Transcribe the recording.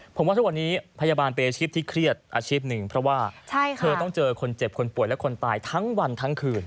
ผมว่าทุกวันนี้พยาบาลเป็นอาชีพที่เครียดอาชีพหนึ่งเพราะว่าเธอต้องเจอคนเจ็บคนป่วยและคนตายทั้งวันทั้งคืน